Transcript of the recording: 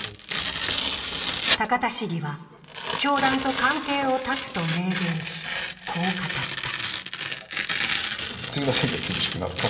高田市議は教団と関係を断つと明言し、こう語った。